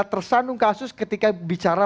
tersandung kasus ketika bicara